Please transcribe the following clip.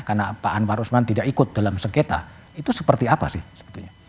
karena pak anwar usman tidak ikut dalam sekita itu seperti apa sih sebetulnya